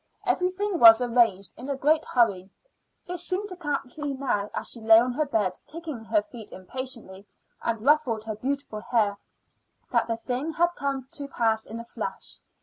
Everything was arranged in a great hurry. It seemed to Kathleen now, as she lay on her bed, kicking her feet impatiently, and ruffled her beautiful hair, that the thing had come to pass in a flash.